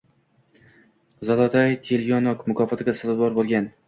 «Zolotoy telyonok» mukofotiga sazovor bo‘lgan